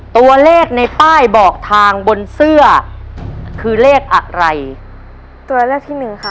ตัวเลขในป้ายบอกทางบนเสื้อคือเลขอะไรตัวเลือกที่หนึ่งค่ะ